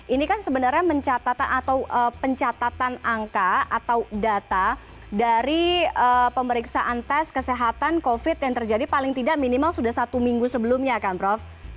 ini kan sebenarnya pencatatan angka atau data dari pemeriksaan tes kesehatan covid yang terjadi paling tidak minimal sudah satu minggu sebelumnya kan prof